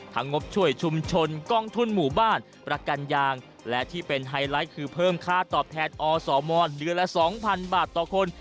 งบช่วยชุมชนกองทุนหมู่บ้านประกันยางและที่เป็นไฮไลท์คือเพิ่มค่าตอบแทนอสมเดือนละ๒๐๐๐บาทต่อคน